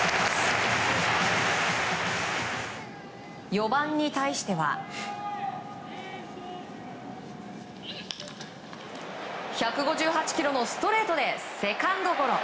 ４番に対しては１５８キロのストレートでセカンドゴロ。